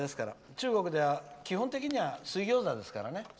中国では、基本的には水ギョーザですからね。